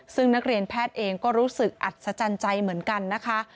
ซึ่งนักเรียนแพทย์เองก็รู้สึกอัศจรรย์ใจเหมือนกันนะคะ